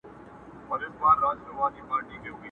o وروري به کوو، حساب تر منځ.